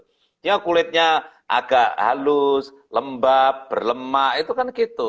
sehingga kulitnya agak halus lembab berlemak itu kan gitu